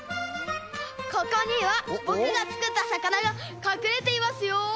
ここにはぼくがつくったさかながかくれていますよ。